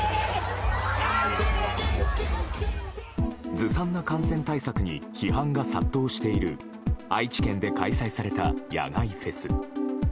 ずさんな感染対策に批判が殺到している愛知県で開催された野外フェス。